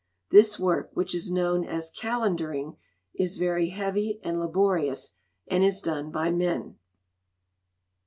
This work, which is known as "calendering," is very heavy and laborious, and is done by men.